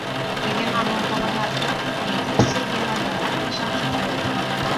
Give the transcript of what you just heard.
Тыге манмым колынат дыр? — политрук Сергейлан тамак мешакшым шуялта.